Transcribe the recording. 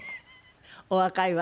お若いわ。